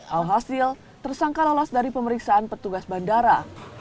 alhasil tersangka lolos dari pemeriksaan petugas bandara